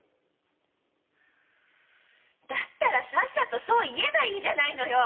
だったらさっさとそう言えばいいじゃないのよ！